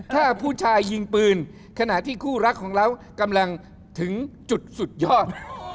ถ้าผู้ชายยิงปืนขณะที่คู่รักของเรากำลังถึงจุดสุดยอด